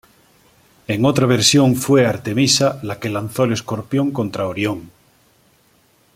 En otra versión fue Artemisa la que lanzó el escorpión contra Orión.